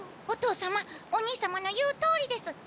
お父様お兄様の言うとおりです。